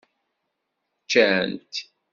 Ččant.